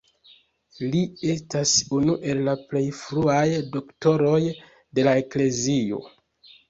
Li estas unu el la plej fruaj Doktoroj de la Eklezio.